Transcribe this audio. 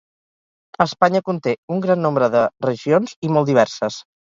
Espanya conté un gran nombre de regions i molt diverses.